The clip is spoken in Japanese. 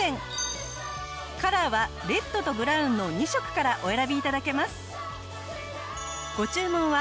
カラーはレッドとブラウンの２色からお選び頂けます。